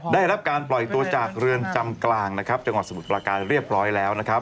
ได้รับการปล่อยตัวจากเรือนจำกลางนะครับจังหวัดสมุทรประการเรียบร้อยแล้วนะครับ